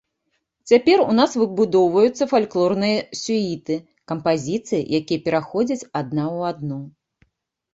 Цяпер у нас выбудоўваюцца фальклорныя сюіты, кампазіцыі, якія пераходзяць адна ў адну.